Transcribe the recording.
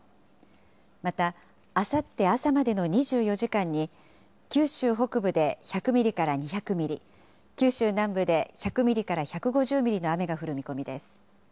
またあさって朝までの２４時間に、九州北部で１００ミリから２００ミリ、九州南部で１００ミリから１５０ミリの雨が降る見込みです。